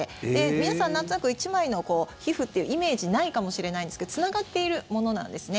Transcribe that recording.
皆さん、なんとなく１枚の皮膚っていうイメージないかもしれないですけどつながっているものなんですね。